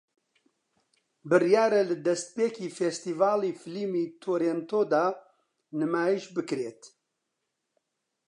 بڕیارە لە دەستپێکی فێستیڤاڵی فیلمی تۆرێنتۆ دا نمایش بکرێت